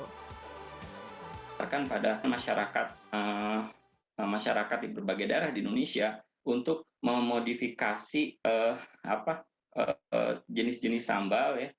menjelaskan pada masyarakat di berbagai daerah di indonesia untuk memodifikasi jenis jenis sambal ya